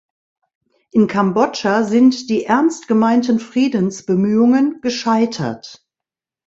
In Kambodscha sind die ernst gemeinten Friedensbemühungen gescheitert.